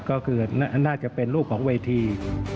ก็คือน่าจะเป็นรูปของเวที